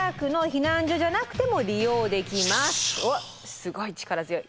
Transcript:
すごい力強い。